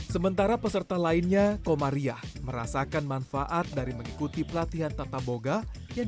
sementara peserta lainnya komariah merasakan manfaat dari mengikuti pelatihan tata boga yang